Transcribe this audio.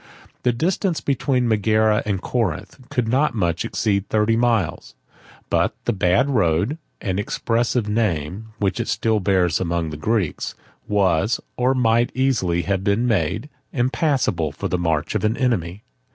The distance between Megara and Corinth could not much exceed thirty miles; but the bad road, an expressive name, which it still bears among the Greeks, was, or might easily have been made, impassable for the march of an enemy.